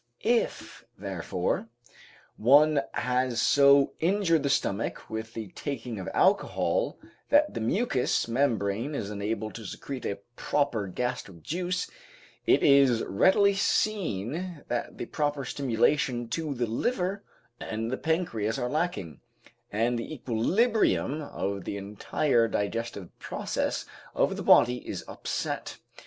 If therefore one has so injured the stomach with the taking of alcohol that the mucous membrane is unable to secrete a proper gastric juice, it is readily seen that the proper stimulation to the liver and the pancreas are lacking, and the equilibrium of the entire digestive process of the body is upset.